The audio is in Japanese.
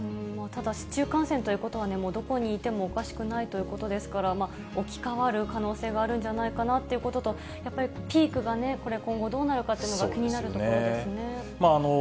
ただ、市中感染ということは、もうどこにいてもおかしくないということですから、置き換わる可能性があるんじゃないかなということと、やっぱりピークがね、今後どうなるかというのが気になるところですよね。